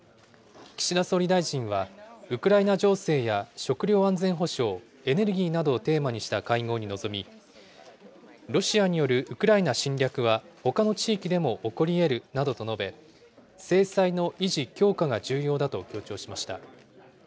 岸田総理大臣は、ウクライナ情勢や食料安全保障、エネルギーなどをテーマにした会合に臨み、ロシアによるウクライナ侵略はほかの地域でも起こりえるなどと述べ、制裁の維持・強化が重要だと強調しました。